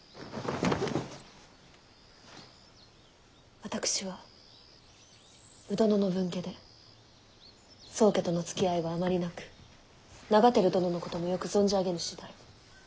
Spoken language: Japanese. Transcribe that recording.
私は鵜殿の分家で宗家とのつきあいはあまりなく長照殿のこともよく存じ上げぬ次第。